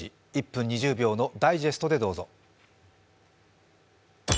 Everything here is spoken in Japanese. １分２０秒のダイジェストでどうぞ。